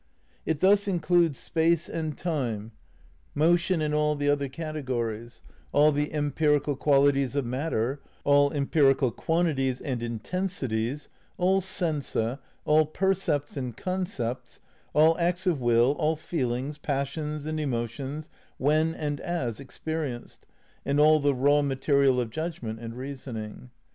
It thus includ'es space and time, motion and all the other categories, aU the em pirical qnalities of matter, all empirical quantities and intensities, all sensa, all percepts and concepts, all acts of will, all feelings, passions and emotions, when and as experienced, and all the raw material of judgment and reasoning.